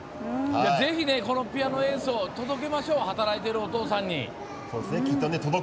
ぜひ、ピアノ演奏を届けましょう働いてる、お父さんに。